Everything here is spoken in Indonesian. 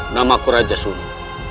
namaku raja suni